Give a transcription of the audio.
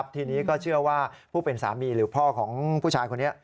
ทีนี้ก็เชื่อว่าผู้เป็นสามีหรือพ่อของผู้ชายคนนี้